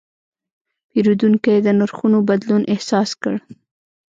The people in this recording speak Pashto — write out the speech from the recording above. پیرودونکی د نرخونو بدلون احساس کړ.